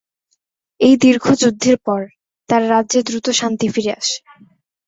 এই দীর্ঘ যুদ্ধের পর তার রাজ্যে দ্রুত শান্তি ফিরে আসে।